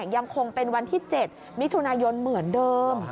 ยังคงเป็นวันที่๗มิถุนายนเหมือนเดิม